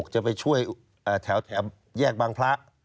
จะไปช่วยแถวแยกบางพระ